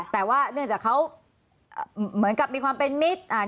แต่ว่าเนื่องจากเขาเหมือนกับมีความเป็นมิตร